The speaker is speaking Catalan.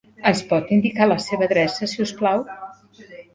Ens pot indicar la seva adreça, si us plau?